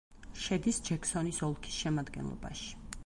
შედის ჯექსონის ოლქის შემადგენლობაში.